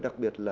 đặc biệt là